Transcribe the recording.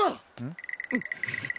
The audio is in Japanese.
ん？